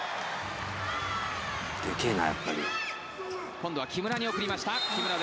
今度は木村に送りました。